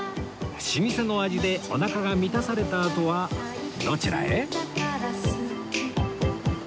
老舗の味でおなかが満たされたあとはどちらへ？